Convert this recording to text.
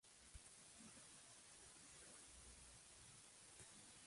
Al final de la campaña, sólo el Real Valladolid supera al Deportivo.